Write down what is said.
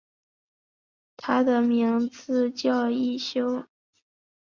他的名字叫一休。